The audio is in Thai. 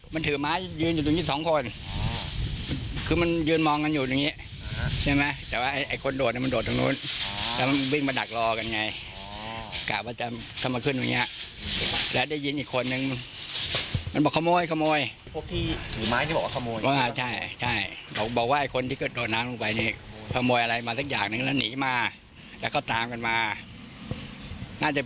มันถือไม้ยืนอยู่ตรงนี้สองคนคือมันยืนมองกันอยู่อย่างนี้ใช่ไหมแต่ว่าไอ้คนโดดเนี่ยมันโดดตรงนู้นแล้วมันวิ่งมาดักรอกันไงกะว่าจะทำมาขึ้นตรงเนี้ยแล้วได้ยินอีกคนนึงมันบอกขโมยขโมยพวกที่ถือไม้ที่บอกว่าขโมยใช่ใช่เขาบอกว่าไอ้คนที่กระโดดน้ำลงไปนี่ขโมยอะไรมาสักอย่างหนึ่งแล้วหนีมาแล้วก็ตามกันมาน่าจะ